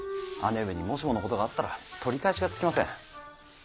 姉上にもしものことがあったら取り返しがつきません。